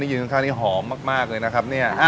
นี่อยู่ข้างนี่หอมมากเลยนะครับ